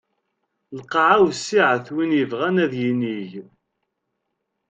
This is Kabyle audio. Lqaɛa wessiɛet win yebɣan ad yinig.